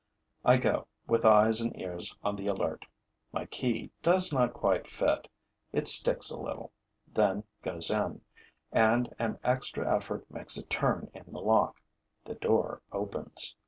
I go, with eyes and ears on the alert. My key does not quite fit; it sticks a little, then goes in; and an extra effort makes it turn in the lock. The door opens.